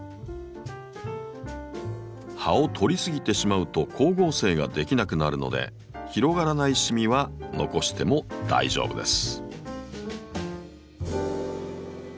葉を取り過ぎてしまうと光合成ができなくなるので広がらないシミは残しても大丈夫です。